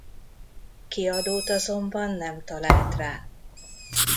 Kiadót azonban nem talált rá.